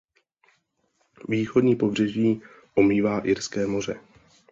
Východní pobřeží omývá Irské moře.